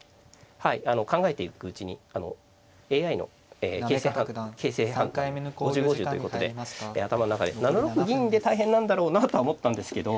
はいあの考えていくうちにＡＩの形勢判断５０−５０ということで頭の中で７六銀で大変なんだろうなとは思ったんですけど。